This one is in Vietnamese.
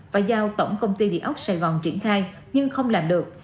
và giao tổng công ty địa ốc sài gòn triển khai nhưng không làm được